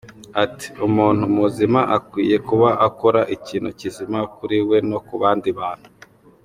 Ati “…Umuntu muzima akwiye kuba akora ikintu kizima kuri we no ku bandi bantu.